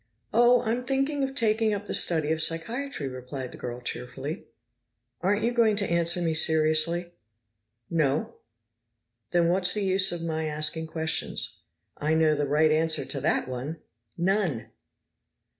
"Oh, I'm thinking of taking up the study of psychiatry," replied the girl cheerfully. "Aren't you going to answer me seriously?" "No." "Then what's the use of my asking questions?" "I know the right answer to that one. None!"